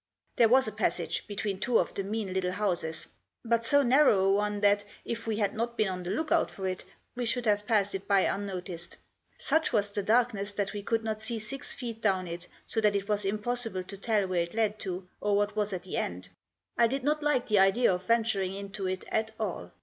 There was a passage, between two of the mean little houses. But so narrow an one that, if we had not been on the look out for it, we should have passed it by unnoticed. Such was the darkness that we could not see six feet down it, so that it was impossible to tell where it led to, or what was at the end. I did not like the idea of venturing into it at all.